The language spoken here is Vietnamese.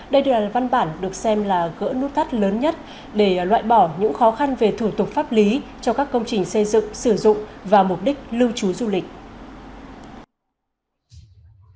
đây là văn bản được xem là gỡ nút thắt lớn nhất để loại bỏ những khó khăn về thủ tục pháp lý cho các công trình xây dựng sử dụng và mục đích lưu trú du lịch